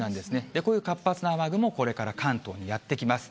こういう活発な雨雲、これから関東にやって来ます。